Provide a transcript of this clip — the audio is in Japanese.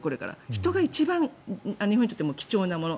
人が一番日本にとって貴重なもの。